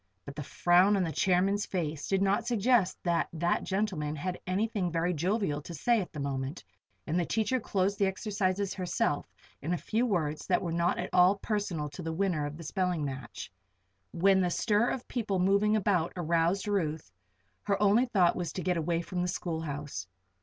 But the frown on the chairman's face did not suggest that that gentleman had anything very jovial to say at the moment, and the teacher closed the exercises herself in a few words that were not at all personal to the winner of the spelling match. When the stir of people moving about aroused Ruth, her only thought was to get away from the schoolhouse.